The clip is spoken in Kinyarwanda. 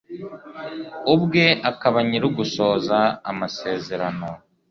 ubwe akaba Nyir ugusohoza amasezerano